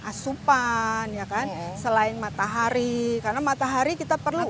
asupan ya kan selain matahari karena matahari kita perlu